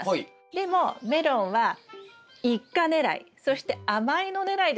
でもメロンは一果狙いそして甘いの狙いでしたよね。